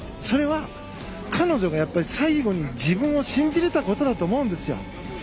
それは彼女が最後に自分を信じられたことだと思うんですよ。